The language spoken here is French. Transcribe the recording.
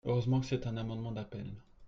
Heureusement que c’est un amendement d’appel.